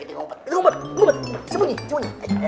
eh ngumpet sembunyi sembunyi